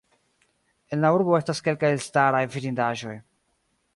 En la urbo estas kelkaj elstaraj vidindaĵoj.